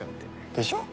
でしょ？